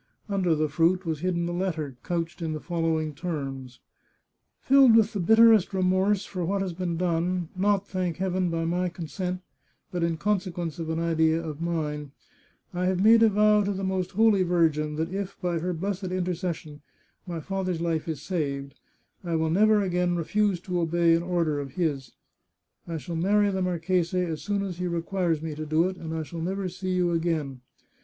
Under the fruit was hidden a letter, couched in the following terms :" Filled with the bitterest remorse for what has been done — not, thank Heaven, by my consent, but in conse quence of an idea of mine — I have made a vow to the Most Holy Virgin that if, by her blessed intercession, my father's life is saved, I will never again refuse to obey an order of his. I shall marry the marchese as soon as he requires me to do it, and I shall never see you again.